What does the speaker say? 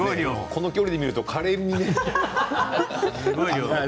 この距離で見るとカレーに見える。